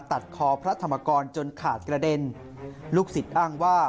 ตัดคอพระธรรมกรจนขาดกระเด็นลูกศิษย์อ้างว่า